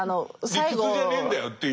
理屈じゃねえんだよっていう。